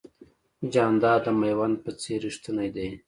جانداد د مېوند په څېر رښتینی دی.